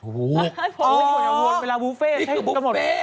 ถูกนี่คือบุฟเฟ่อ๋อนี่คือบุฟเฟ่